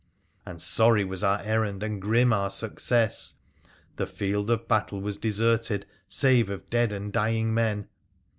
And sorry was our errand and grim our success. The field of battle was deserted, save of dead and dying men.